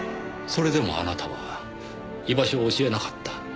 それでもあなたは居場所を教えなかった。